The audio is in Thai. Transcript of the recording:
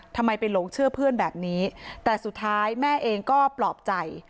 ทำไมไปหลงเชื่อเพื่อนแบบนี้แต่สุดท้ายแม่เองก็ปลอบใจ